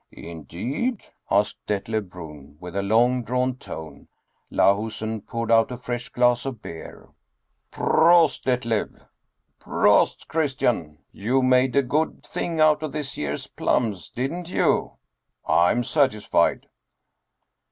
" Indeed ?" asked Detlev Bruhn, with a long drawn tone. Lahusen poured out a fresh glass of beer. " Prost, Det lev !"" Prost, Christian ! you made a good thing out of this year's plums, didn't you ?"" I'm satisfied."